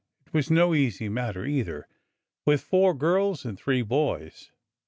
It was no easy matter, either, with four girls and three boys.